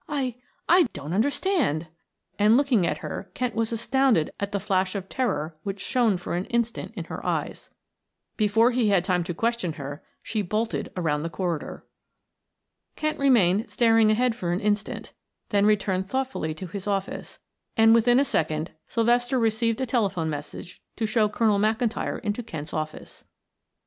I I don't understand." And looking at her Kent was astounded at the flash of terror which shone for an instant in her eyes. Before he had time to question her she bolted around the corridor. Kent remained staring ahead for an instant then returned thoughtfully to his office, and within a second Sylvester received a telephone message to show Colonel McIntyre into Kent's office.